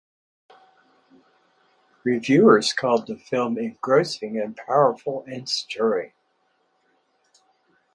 Reviewers called the film "engrossing" and "powerful and stirring".